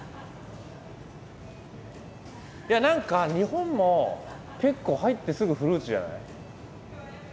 いや何か日本も結構入ってすぐフルーツじゃない？